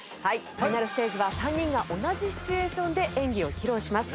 ファイナルステージは３人が同じシチュエーションで演技を披露します。